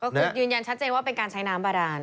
ก็คือยืนยันชัดเจนว่าเป็นการใช้น้ำบาดาน